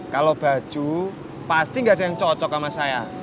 kalau baju pasti gak ada yang cocok sama saya